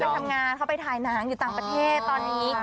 ไปทำงานเขาไปถ่ายหนังอยู่ต่างประเทศตอนนี้